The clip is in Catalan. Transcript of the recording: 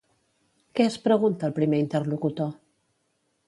Què es pregunta el primer interlocutor?